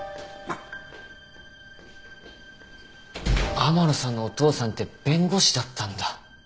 天野さんのお父さんって弁護士だったんだ。